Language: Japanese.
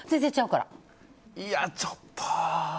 いや、ちょっと。